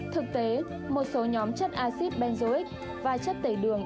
thực tế một số nhóm chất acid benzoic và chất tẩy đường